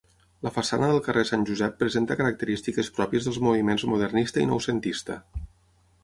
La façana del carrer Sant Josep presenta característiques pròpies dels moviments modernista i noucentista.